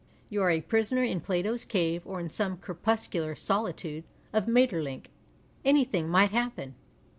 You are a prisoner in Plato's cave or in some crepusciUar solitude of Maeterlinck. Anything might happen.